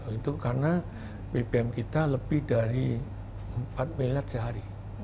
itu karena bbm kita lebih dari empat miliar sehari